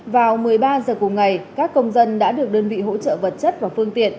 vào một mươi ba h cùng ngày các công dân đã được đơn vị hỗ trợ vật chất và phương tiện